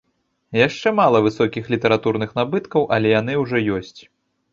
Яшчэ мала высокіх літаратурных набыткаў, але яны ўжо ёсць.